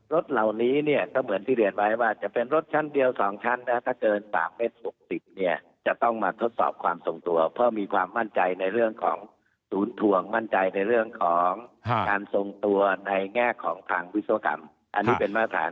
รถเหล่านี้เนี่ยก็เหมือนที่เรียนไว้ว่าจะเป็นรถชั้นเดียว๒ชั้นนะถ้าเกิน๓เมตร๖๐เนี่ยจะต้องมาทดสอบความทรงตัวเพราะมีความมั่นใจในเรื่องของศูนย์ทวงมั่นใจในเรื่องของการทรงตัวในแง่ของทางวิศวกรรมอันนี้เป็นมาตรฐาน